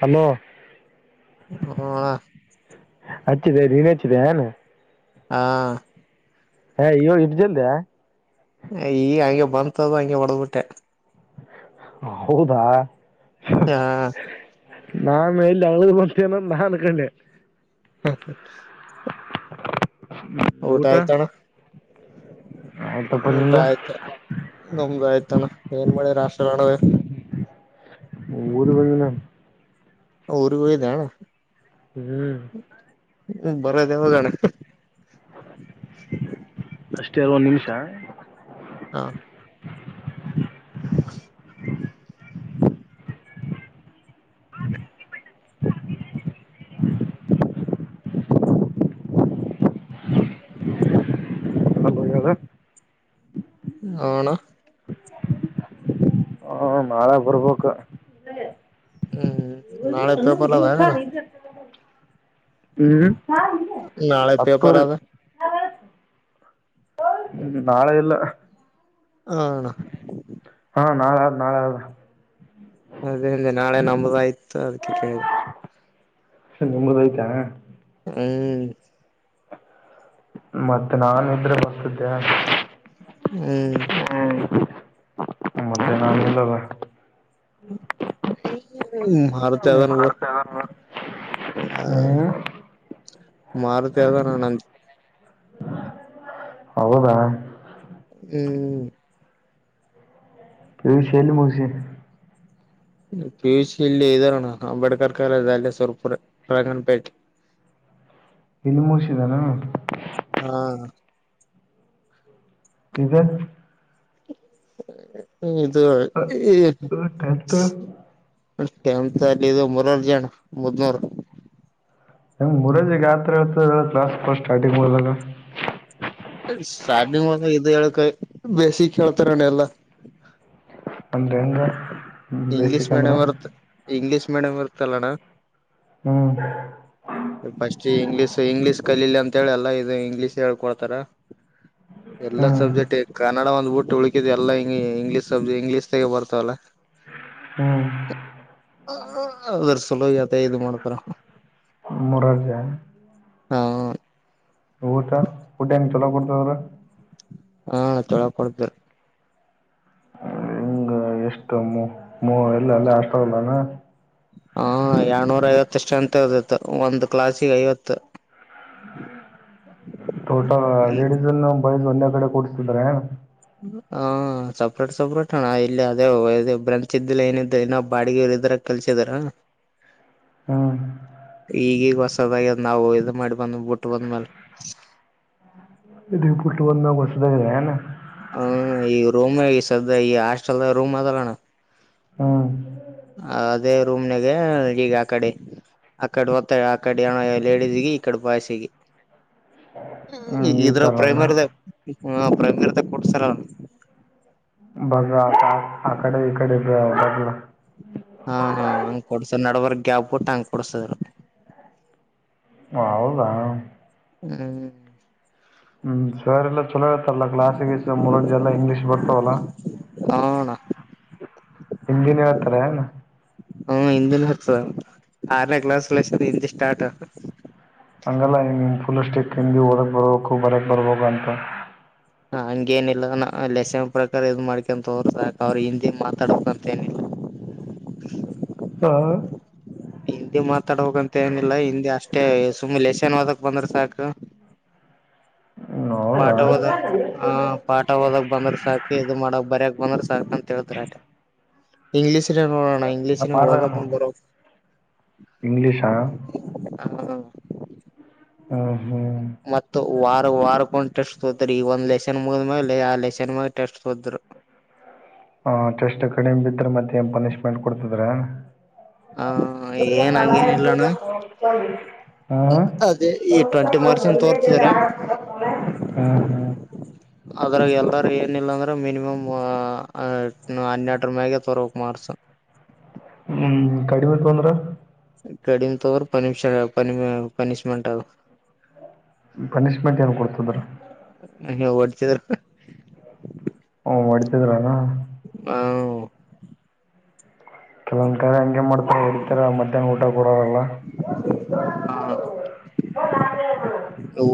Hello ಹ್ಮ ಹಚ್ಚಿದೆ ನೀನಚ್ಚಿದೆನ್ ಹಾ ಹ ಇ ಇಪ್ಜಲ್ದ ಈಗ ಹಂಗೆ ಬಂತ್ದು ಹಂಗೆ ಹೊಡೆದ್ ಬಿಟ್ಟೆ ಹೌದಾ ಹಾ ನಾನ ಎಲ್ಲಿ ಬ ಮೇನ ನಾ ಅನ್ಕೊಂಡೆ ಹಾ ಹಾ ಊಟ ಊಟಾಯತಣ ಆಯ್ತಪ್ಪ ಊಟ ನಿಂದು ಆಯ್ತಾ ನಮ್ದ ಆಯ್ತು ಏನ್ ಮಾಡಿ ರಾಷ್ಟ್ರ ಮಾಡದು ಊರು ಬಂದಿನ ಅವರು ಹದಣ ಹ್ಮ್ ಹ್ಮ್ ಬರದೆವ ಜಣ ಹ್ಞೂ ಹಾ [unintelligible] ಹಲೋ ಹೇಳು ಹಣ [unintelligible] ಹ್ಮ ನಾಳೆ ಬರ್ಬೇಕು ಹ್ಮ್್ಮ ನಾಳೆ ಪೇಪರ್ಲ್ಲದ ಹ್ಮ್ ನಾಳೆ ಪೇಪರ್ ಅದ ಹ್ಮ ನಾಳೆ ಎಲ್ಲ ಹ ಅಣ್ಣ ನ ಅದೇ ಅಂದೆ ನಾಳೆ ನಮದಾಯಯ್ತು ಅದಕ್ಕೆ ಕೇಳಿದೆ ನಿಮದು ಆಯ್ತಾ ಹ ಮತ್ತೆ ನಾ ಇದ್ರೆ ಬರ್ತಿದ್ದೆ ಹ್ಮ್ ಹ್ಮ ಮತ್ತೆ ನಲ್ಲವಾ ಮಾರ ಚದಾನ ಬ ಮಾಡ್ತಾ ಹಾ ಹ್ಮ್ ಮಾರುತದ ನ ನಂದ ಹೌದಾ ಹ್ಮ್ ಪ್ರ ವಿ ಶೆಯಲ್ಲಿ ಮೋಸಿ ಪಿ ಯು ಸಿ ಇಲ್ಲಿ ಇದ್ದಾರಣ ಅಂಬೇಡ್ಕರ್ ಕಾಲೇಜ ಅಲ್ಲೇ ಸುರ್ಪುರ ರಂಗನ್ಪೇಟೆ ಇನ್ನು ಮುೋಷಿದಾನ ಹಾ ಇಗ ಹ್ಮ ಇದು ಈ ಟೆಂತ್ ಅಷ್ಟೆ ಅಂತ ಅಲ್ಲಿ ಇದು ಮೂರಾರ್ಜಂ ಮಜಾರ ಹೆಂಗ್ ಮುರಜಿಿಗೆ ಯತ್ರ ಹಳ್ತ ಕ್ಲಾಸ್ ಸ್ಟಾರ್ಟಿಂಗ್ಲ್ಲ ಸ್ಟಾರ್ಟಿಂಗ್ ಇ ಹೇಳಕ ಬೇಸಿಕ್ ಕೇಳ್ತಾರಣ ಎಲ್ಲಾ ಅಂದ್ರ ಒಂದ ಇಂಗ್ಲೀಷ್ ಬೇಸಿಕ್ ಮೀಡಿಯಂ್ ಬರ್ ಇಂಗ್ಲೀಷ್ ಮೇಡಮ್ ಇರ್ತಲ್ಲಣ ಹ್ಮ್ ಸ್ಟ್ ಇಂಗ್ಷ್ ಸೊ ಇಂಗ್ಲೀಷ್ ಕಲಿಲ್ಲ ಅಂತ ಹೇಳಿ ಅಲ್ಲ ಇದು ಇಂಗ್ಲೀಷ್ ಹೇಳ್ಕೊಡ್ತಾರ ಎಲ್ಲಾ ಹ್ಮ್ ಸಬ್ಜೆಕ್ಟ್ ಕನ್ನಡ ಒಂದ್ಬಊಟ್ಟ ಉಳಕಿದ್ ಎಲ್ಲಾ ಇಂಗ್ಲೀಷ್ ಸ ಇಂಗ್ಲೀಷ್ ತಾಗೆ ಬರ್ತಾವಲ್ಲ ಹ್ಮ್ ಅದ್ರ ಸುಲಭ ಆತ ಇದು ಮಾಡ್ತಾರ ಮರ ಜಾಯ ಹಾ ಊಟ ಊಟ ನ್ ಚಲೋ ಕೊಡ್ತದ್ರ ಹಾ ತೊಳ ಕೊಡ್ತ್ರ ಹಂಗ ಎಷ್ಟ ಎಲ್ಲ ಅಲ್ಲ ಅಷ್ಟಲ್ಲಾನ ಹಾ ಎರನೂರ ಐವತ್ತಷ್ಟು ಅಂತ ಹದತ್ತು ಒಂದ್ ಕ್ಲಾಾಸಿಗೆ ಐವತ್ತು ಹ್ಮ ತೋಟ ಲೇಡಿಸಸ್ ಅನ್ನು ಬಾಯ್ಸ್ ಒಂದೇ ಕಡೆ ಕೂಸ್ತಿದ್ರ ಹಾ ಸಪ್ರೇಟ್ ಸಪ್ರೇಟ್ ಹಣ ಇಲ್ಲಿ ಅದೇ ಬ್ರಂಚ್್ದಿಲ್ಲ ಏನ ಇ ಬಾಡಿಗೆ ಕೆಲ್ಸಿದಾರ ಹ್ಮ್ ಈಗಗ ಸದ ನಾವು ಇ ಮಾಡಿ ಬಂದ ಬಿಟ್ಟು ಬಂದ್ಮೇಲೆ ಇದ ಪುಟ್ಟು ಒಂದು ಬಸದಾಗದೆ ಏನ ಹ ಈ ರೂಮ್ ಈ ಸದ್ಯ ಈ ಹಾಸ್ಟೆಲ್ ರೂಮ್ ಅದಲ್ಲಣ ಹ್ಮ ಅದೇ ರೂಮ್ನಾಗ ಈಗ ಆ ಕಡೆ ಅಕ್ಕಡೆ ಮತ್ತ ಅಕ್ಕಡೆ ಏನೋ ಲೇಡೀಸ್ಗ ಇಕಡೆ ಬಾಯ್ಸ್ಗಿ ಹ್ಮ್ ಈ ಇದ್ರ ತರನ ಪ್ರೈಮರ್ ಹ ಪ್ರೈಮರ್ ಕೊಡ್ಸರ ಬಸ ಆ ಆಕಡೆ ಇಕಡೆದಲ್ಲ ಹಾ ಹಾ ಹಂಗ್ ಕೊಡ್ಸ ನಡವರ್ ಗ್ಯಾಪ್ ಬಿಟ್ಟು ಹಂಗ ಕೊಡ್ಸದ್ರ ಹೌದಾ ಹ್ಮ್ ಹ್ಮ್ ಸರ್ಲ್ಲಾ ಚಲೋ ಇತಾರಲ್ಲ ಕ್ಲಸ್ಗಸ ಮುರುಗ್ಜ ಎಲ್ಲಾ ಇಂಗ್ಲೀಷ್ ಬರ್ತವಲ್ಲ ಹಣ ಹಿಂದಿನ ಹತ್ರಣ ಹ್ಮ ಹಿಂದಿಿನ ಹರ್ತದ ಆರನೇ ಕ್ಲಾಸ್ ಹಿಂದಿ ಸ್ಟಾರ್ಟ್ ಹಂಗಲ್ಲ ಫುಲ್ ಅಷ್ಟೆ ಓದಕ್ ಬರ್ು ಬರಕ್ ಬರ್ಬ ಅಂತ ಹ ಹಂಗೇನಿಲ್ಲ ನ ಲೆಸನ್ ಪ್ರಕಾರ ಇದ್ ಮಾಡ್ಕೊಂತೋರ್ಕ ಅವ್ರರು ಹಿಂದಿ ಮಾತಾಡ್ಕಂತ ಏನಿಲ್ಲ [unintelligible] ಹ್ಮ್, ಹಿಂದಿ ಮಾತಾಡ ಹಂತ ಏನಿಲ್ಲ ಹಿಂದಿ ಅಷ್ಟೇ ಸುಮ್ನೆ ಲೆಸನ್ ಓದಕ್ ಬಂದ್ರ ಸಾಕು [inaudible] ಹೌದಾ ಪಾಠ ಹದ ಹ ಪಾಠ ಹಓದಕ್ ಬಂದ್ರೆ ಸಾಕು ಇದು ಮಾಡಕ್ ಬರ್ಯಕ್ ಒಂದರ ಸೇಳ್ತರ ಆ ಇಂಗ್ಲೀಷಿನ ನೋಡ ಇಂಗ್ಲೀಷಿನ ಹಓಾ ಬರ ಇಂಗ್ಲಿೀಷ್ ಆ ಹ್ಮ್ ಹ್ಮ್ ಮತ್ತ ವಾರ ವಾರಕೊಂಡ್ ಟೆಸ್ಟ್ ತೋದ್ರ ಈಗ ಒಂದ್ ಲೆಸನ್ ಮುಗಿದ ಮ್ಯಲಿ ಆ ಲೆಸನ್ ಮಾಗ ಟೆಸ್ಟ್ ತೋದರು [inaudible] ಹಟೆಸ್ಟ್ ಕಡಿಮೆ ಬಿಿದ್ರೆ ಮತ್ತೆ ನ್ ಪನಿಶ್ಮೆಂಟ್ ಕೊಡ್ತದ್ರ ಹ ಬ ಏನ್ ಕಲಾಯಂತ ಹಂಗೇನಿಲ್ಲಣ್ಣ ಹೋಗತ ಹ್ಮ್ ಅದೇ ಈ ಟ್ವೆಂಟಿ ಮಾರ್ಕ್ಸ್ ಅಂತ ತೋರ್ತಿದ್ರ ಹ್ಮ್ ಹ್ಮ್ ಅದ್ರಾಗ ಎಲ್ಲಾರ ಏನಿಲ್ಲ ಅಂದ್ರ ಮಿನಿಮಮ್ ಹನ್ನೆರಟರ ಮ್ಯಾಗೆ ತರಕ್ ಮಾರಸ ಹ ಹ್ಮ್ ಕಡಿಮೆ ತಂದ್ರ ಕಡಿಮ ತ ಪ ಪನಿಷ್ಮೆಂಟ್ ಪನಿಷ್ಮೆಂಟ್ ಏನು ಕೊಡ್ತದ್ರ ಹ ಒಡಚದ ಮಾಡಡ್ತಿದ್ರಾನ ಹಾ ಕೆಲವೊಂದ್ ಕಡೆ ಹಂಗೆ ಮಾಡ್ತಾರೆ ಹರತರ ಮಧ್ಯಾಹ್ನ ಊಟ ಕೊಡೋಾರಲ್ಲ ಹಾ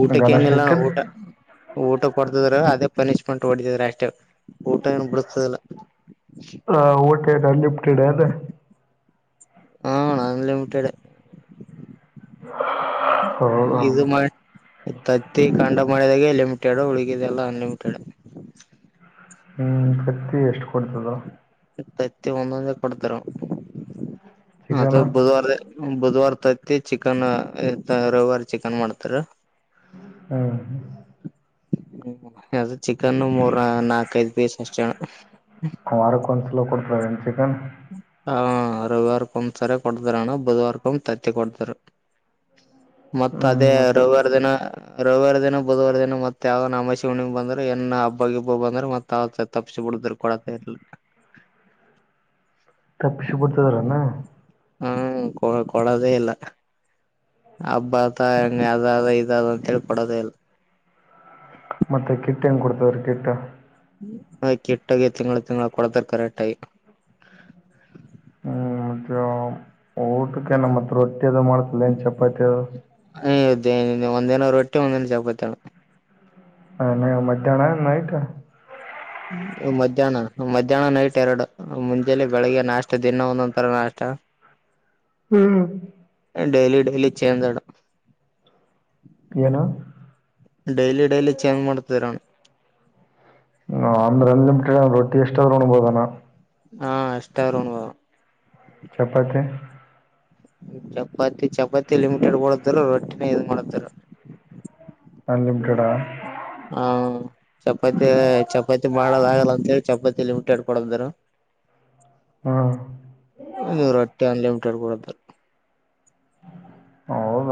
ಊಟಕ್ಕೆ ಗಣ ಏನಿಲ್ಲ ನಾ ಸ್ಟಿಕ್ಕರ್ ಊಟ ಊಟಕ್ಕೆ ಕೊಡ್ತದ್ರ ಅದೇ ಪನಿಷ್ಮೆಂಟ್ ಹೊಡತದ ಅಷ್ಟೇ ಊಟ ಏನು ಬಿರ್ತದಲ್ಲ ಹಾ ಓಕೆಟನ್ ಲಿಫ್ಟಡ ಅಂತ ಹ ನಲ್ಲಮಟ್ಟಡೆ ಹೌದಾ ಇದು ಮ ತತ್ತ ಕಂಡ ಮಳೆದಾಗೆ ಲಿಮಿಟೆಡ್ ಹುಡುಗಿದೆಲ್ಲ ಅನ್ಲಿಮಿಟೆಡ್ ಹ್ಮ್ ಕತ್ತಿ ಎಷ್ಟು ಕೊಡ್ತದ ಇತಿ ಒಂದೊಂದೇ ಕೊಡ್ತಾರೆ ಚಿಕನ ಅಥವಾ ಬುಧವಾರ ಬುಧವಾರ ತ್ತ ಚಿಕನ್ ರವಿವಾರಿ ಚಿಕನ್ ಮಾಡ್ತಾರ ಹ್ಮ ಹ್ಮ ಅ ಚಿಕನ್ ಮೂರ ನಾಕಐದ್ ಪೀಸ್ ಅಷ್ಟೇಣ ಕುಮಾರಕಂಚ್ ಲ ಕೊಡ ್ರನ್ ಚಿಕನ್ ಹಾ ರವಿವಾರಕೊಂದ್ಸರಿ ಕೊಡ್ತಾರಣ್ಣ ಬುಧವಾರಕೊಂದ ತತ್ತಿ ಕೊಡ್ತಾರ ಮತ್ತತ್ ಹ್ಮ್ ಅದೇ ಮತ್ತೆ ರವಿವಾರ ದಿನ ರವಿವಾರ ದಿನ ಬುಧವಾರ ದಿನ ಮತ್ತತ್ ಯಾವ ನಾಮ ಶಿವನಿಗೆ ಬಂದ್ರೆ ಎನ್ ಹಬ್ಬಿಬ್ಬ ಬಂದ್ರೆ ಮತ್ ತಪ್ಪ ಕೊಡ್ತರು ಕೊಡತೆ ಇರ್ಲ್ಲ ತಪ್ಪಿಿಸಿ ಪುಡ್ತದರನ್ನ ಹ್ಮ ಕೊ ಕೊಡದೇ ಇಲ್ಲ ಹಬ್ಬತ ಹೆಂಗ ಅದ ಅದ ಇದ ಅದ ಅಂತ ಹೇಳಳ್ ಕೊಡೋದಲ್ಲ ಮತ್ತೆ ಕಿಟ್ಟ ಹೆಂಗ್ ಕೊಡ್ತದ್ರೀ ಕಿಟ್ಟ ಆ ಕೆಟ್ಟಾಗೆ ತಿಂ ತಿಂಗ ಕೊಡತಿರ್ಕಾರೆ ಟಾಯ ಮ ಊಟಕ್ಕೆ ನಮ್ಮ ಮತ್ ರೊಟ್ಟಿ ಅದು ಮಾಡ್ತಲ್ಲ ಏನ್ ಚಪಾತಿ ಅದು ಒಂದ್ ದಿನ ರೊಟ್ಟಿ ಒಂದ್ ದಿನ ಚಪತ್ತಣ ಅನ ಮಧ್ಯಾಹನ ನಾಯಟ ಮಧ್ಯಾಹ್ನ ಮಧ್ಯಾಹ್ನ ನೈಟ್ ಎರಡು ಮುಂಜಲಿ ಬೆಳಿಗ್ಗೆ ನಾಷ್ಟ ದಿನ ಒಂದೊಂದ ತರ ನಾಷ್ಟ [inaudible] ಹ್ಮ್ ೇಲಿ ಲಿ ಚೇನ್ ತೇಡ ಪಏನು ಡೈಲಿ ಡಲಿ ಚೇಂಜ್ ಮಾಡ್ತತರು ಅಮ್ರೆ ಅನ್ಲಿಮಿಟೆಡ್ ರೊಟ್ಟಿ ಎಷ್ಟಾದ್ರೂ ನೋಣಬೋದನಾ ಹಾ ಎಷ್ಟಾವರಣವಾ ಚಪತ್ತೆ ಚಪಾತಿ ಚಪಾತಿ ಲಿಮಿಟೆಡ್ ಬಡದರು ರೊಟ್ಟಿನ ಇ್ ಮಾಡರು ಅನ್ಲಿಮಿಟೆಡಾ ಹಾ ಚಪಾತಿ ಚಪಾತಿ ಮಾಡದ ಆಗಲ್ಲ ಅಂತ ಹೇಳಿ ಚಪಾತಿ ಲಿಮಿಟೆಡ್ ಕೊಡಂದರು ಹ್ಮ ಒೂರು ರಟ್ಟಿ ಅನ್ಲಿಮಿಟೆಡ್ ಕೂಡದ ಹೌದ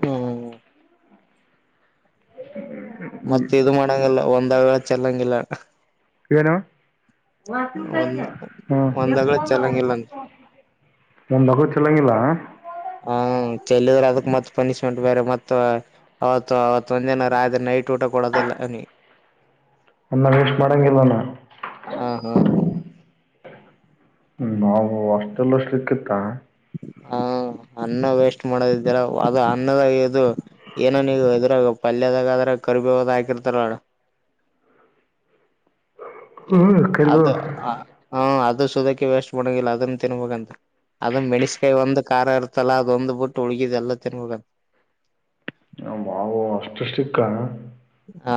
ಹ್ಮ್ ಮತ್ತ ಇದು ಮಾಡಂಗಲ್ಲ ಒಂದ್ಾವೇಳ ಚೆಲ್ಲಂಗಿಲ್ಲ ಹ ಒಂದ್ ಒಂದಗಳ ಚೆಲ್ಲಂಗಿಲ್ಲ ಅಂತ. ಒಂದಗ ಚಲಂಗಿಲ್ಲ ಹಾ ಚೆಲ್ಲಿದ್ರೆ ಅದಕ್ ಮತ್ ಪನಿಶ್ಮೆಂಟ್ ಬೇರೆ ಮತ್ ಅವತ್ ಅವತ್ ಒಂದ್ ಜನ ಆದ್ರೆ ನೈಟ್ ಊಟ ಕೊಡೋದಿಲ್ಲ ಅ ಅನ್ನ ವೇಸ್್ ಮಾಡಂಗಲ್ವಣ ಹ ಹಾ ನಾವು ಅಷ್ಟೆಲ್ಲಷ್ಟ ಸಿಕ್ಕಿತ್ತ ಹಾ ಅನ್ನ ವೇಸ್ಟ್ ಮಾಡದಿದ್ದೀರ ಅದು ಅನ್ನದ ಇದು ಏನ ನೀ ಈಗ ಇದ್ರಾಗ ಪಲ್ಯದಾಗ ಆದ್ರ ಕರಿಬಿ ಹದ ಹಾಕಿರ್ತಾರಡ ಹ್ಞೂ ಕರಿಬೇವು ಅದು ಹ ಅದು ವೇಸ್ಟ್ ಬಿಲ್ಲ ಅದನ್ನ ತಿನ್ಬೇಕಂತ ಅದ ಮೆಣಸಕಾಯಿ ಒಂದು ಖಾರ ಇರ್ತಲ್ಲ ಅದೊಂದು ಬ ಬಿಟ್ಟ ಉುಗಿದ ಎಲ್ಲ ತಿಿನ ಮುಗ ಮಾವು ಅಷ್ಟುಷ್ಟಕ್ಕ ಹಾ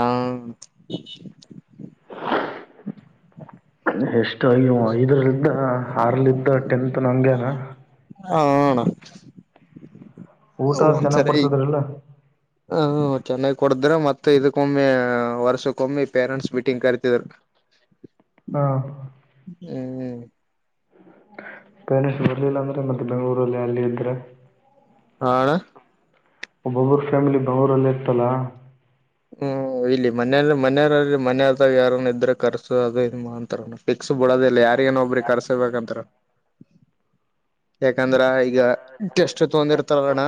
ಎಷ್ಟ ಅಯ್ಯೋ ಐದರಲ್ದ ಆರ್ಲಿದ್ದ ಟೆಂತ್ ಮತ್ತುತ್ತ ನಗೆನಾ ಹಣ ಊಟ ಚೆನ್ನಾಗಿ ಒಂದ್ಸರಿ ಕೊಡ್ತಿದ್ರಲ್ಲ ಹ ಚೆನ್ನ ಕೊಡದ್ರ ಮತ್ತ ಇದಕ್ಕೊಮ್ಮೆ ವರ್ಷಕ್ಕೊಮ್ಮೆ ಪೇರೆಂಟ್ಸ್ ಮೀಟಿಂಗ್ ಕರಿತಿದ್ರ ಹಾ ಹ್ಮ ಪ್ಯಾರಿಸ್ ಬರಲಿಲ್ಲ ಅಂದ್ರೆ ಮತ್ತೆ ಬೆಂಗಳೂರಲ್ಲಿ ಅಲ್ಲಿ ಇದ್ರೆ ಆ ಅಣ್ಣ ಒಬ್ಬೊಬ್ಬ್ರ ಫ್ಯಾಮಿಲಿ ಬವರಲ್ಲೇ ಇತಲ್ಲ ಹ್ಮ ಇಲ್ಲಿ ಮನ ಮನೆಯವಲ್ಲಿ ಮನದಾಗ ಯಾರ ಇದ್ರೆ ಕರ್ಸು ಅದು ಇ ಅಂತಾರ ಪಿಕ್ಸ್ ಬಿಡೋದಿಲ್ಲ ಯ ಯರಿ ನ ಒಬ್ರಿ ಕರ್ಸಬೇಕಂತ ಯಾಕಂದ್ರ ಈಗ ಎಷ್ಟು ತಗೊಂಡಿರ್ತಾರಣ್ಣ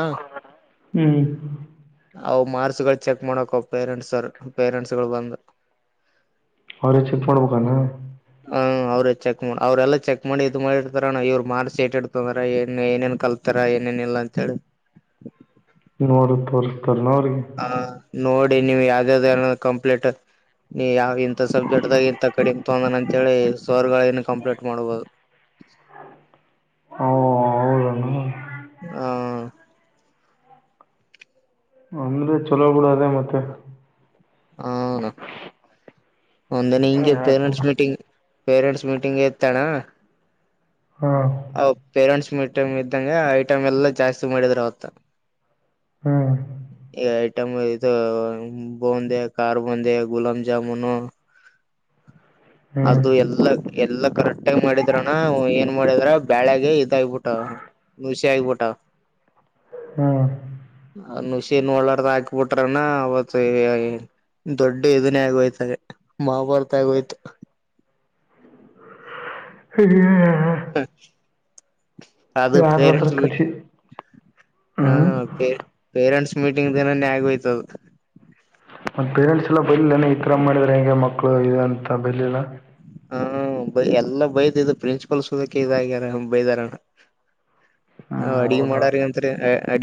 ಹ್ಮ್ ಅವು ಮಾರ್ಕ್ಸ್ಗಳು ಚೆಕ್ ಮಾಡಕ ಅವ್ ಪೇರೆಂಟ್ಸ್ರ್ ಪೇರೆಂಟ್ಸ್ ಗಳು ಬಂದು ಅವ್ರೇ ಚೆಕ್ ಮಾಡ್ಬೇಕಬೇಕಾನ ಹ ಅವ್ರೇ ಚೆಕ್ ಮಾಡ ಅವ್ರಲ್ಲ ಚೆಕ್ ಮಾಡಿ ಇದು ಮಾಡಿತಾರವ್ ಮಾರ್ಸ್ೇಟ್ ರ ಏನ್ ಏನೇನ್ ಕಲ್ತಾರ ಏನೇನ್ ಇಲ್ಲ ಅಂತ ಹೇಳಿ ನೋಡ ತರ್ ಹಾ ನೋಡಿ ನೀವು್ ಯಾವ್ದ್ಯ್ದ ಏನಾದ ಕಂಪ್ಲೀಟ್ ನೀ ಯಾವ ಇಂಥ ಸಬ್ಜೆಕ್ಟ್ ದಾಗ ಇಂಂತ ಕಡೆ ತೊಂದನ ಅಂತೇಳಿ ಸವರ್ಗಳ ನು ಕಂಪ್ಲೀಟ್ ಮಾಡ್ಬಹುದು [inaudible] ಒ ಹೌದೇನೋ ಹಾ ಅಂದ್ರೆ ಚಲೋ ಬಿುಡ ಅದೇ ಮತ್ತೆ ಒಂದನ ಹಿಂಗೆ ಹಾಂ ಪೇರೆಂಟ್ಸ್ ಮೀಟಿಂಗ್ ಪೇರೆಂಟ್ಸ್ ಮೀಟಿಂಗ್ ಇತಣ ಹಾ ಪೇರೆಂಟ್ಸ್ ಮೀಟಿಂಗ್ ಇದ್ದಂ ಐಟಮ್ ಎಲ್ಲ ಜಾಸ್ತಿ ಮಾಡಿದ್ರ ಅವತ್ತ ಹ್ಮ್ ಈ ಐಟಮ್ ಇದು ಬೋಂದಿ ಖಾರ್ ಬಂದಿ ಗುಲಾಬ್ ಜಾಮೂನು ಹ್ಞೂ ಅದು ಎಲ್ಲ ಎಲ್ಲಾ ಕರೆಕ್ಟ್ಗಿ ಮಾಡಿದ್ರನಾ ಏನ್ ಮಾಡಿದ್ರ ಬ್ಯಾಳಾಗ ಇದಾಗಬಿಟ್ಟ ಮುಸ ಆಗಬೋಟಾ ಹ್ಮ್ ಹ ಹುಷೇನ್ ಒಳ್ಳಾರದ ಹಾಕಬಿಟ್ರನಾ ಅವತ್ ದೊಡ್ಡ ಎದನೇ ಆಗೋಯ್ತಾರೆ ಮಾಭಾರತ ಆಗೋಯ್ತು ಹ ಹ್ಮ ಅದು ಯಾರ ಪೇರೆ ಹತ್ರ ಕರ್ಸಿ ಹಾ ಹ್ಮ್ ಪೇರೆಂಟ್ಸ್ ಮೀಟಿಂಗ್ ದಿನನ್ ಆಗೋಯ್ತದ ಮತ್ತ ಪೇರೆಂಟ್ಸ್ ಎಲ್ಲ ಬರ್ಲಿಲ್ಲ ನೀ ಈ ತರ ಮಾಡಿದ್ರ ಹೆಂಗೆ ಮಕ್ಳು ಇದೆ ಅಂತ ಬರ್ಲಿಲ್ಲ ಹಾ ಎಲ್ಲ ಬೈದ ಇ ಪ್ರಿನ್ಸಿಪಲ್ ಸೋುದಕ್ಕೆ ಇದಾಗ್ಯಾರ ಬೈದಾರಣ್ಣ ಹ ಹ್ಮ್ ಅಡಿ ಹೌದಾ. ಮಾಡರಿ ಅತ್ರಿ ಅಡಿ